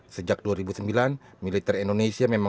sejak dua ribu sembilan militer indonesia memang